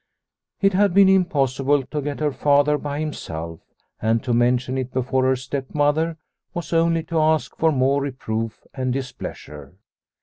It had been impossible to get her father by himself, and to mention it before her step mother was only to ask for more reproof and displeasure.